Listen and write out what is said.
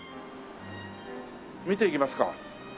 見ていきますか。